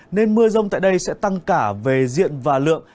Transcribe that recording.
nên mưa rông tại đây sẽ tăng cả về diện và lượng